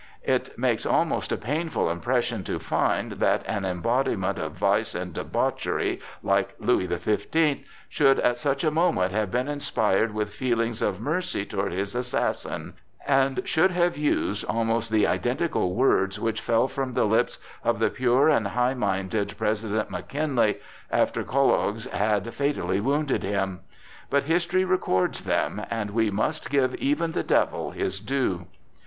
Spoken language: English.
It makes almost a painful impression to find that an embodiment of vice and debauchery like Louis the Fifteenth should at such a moment have been inspired with feelings of mercy toward his assassin, and should have used almost the identical words which fell from the lips of the pure and high minded President McKinley after Czolgosz had fatally wounded him! But history records them, and we must give even the devil his due.